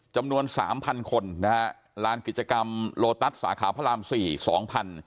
จำนวนสามพันคนนะฮะลานกิจกรรมโลตัสสาขาพระรามสี่สองพัน